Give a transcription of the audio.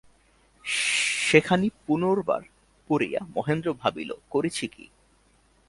সেখানি পুনর্বার পড়িয়া মহেন্দ্র ভাবিল, করেছি কী।